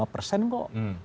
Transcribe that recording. padahal sudah kelima